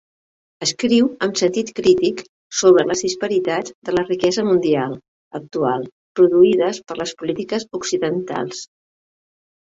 Escriu amb sentit crític sobre les disparitats de la riquesa mundial actual produïdes per les polítiques occidentals.